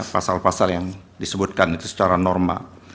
pasal pasal yang disebutkan itu secara normal